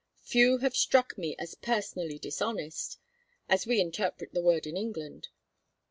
Few have struck me as personally dishonest as we interpret the word in England.